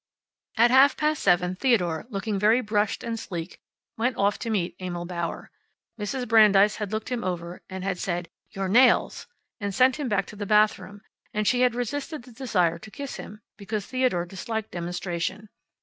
At half past seven Theodore, looking very brushed and sleek, went off to meet Emil Bauer. Mrs. Brandeis had looked him over, and had said, "Your nails!" and sent him back to the bathroom, and she had resisted the desire to kiss him because Theodore disliked demonstration.